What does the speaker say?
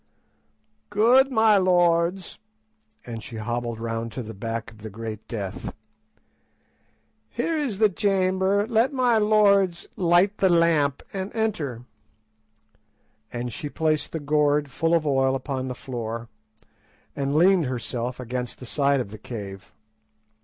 "Good, my lords;" and she hobbled round to the back of the great Death. "Here is the chamber; let my lords light the lamp, and enter," and she placed the gourd full of oil upon the floor, and leaned herself against the side of the cave.